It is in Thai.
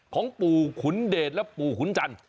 ของปู่ขุนเดชและปู่ขุนจันทร์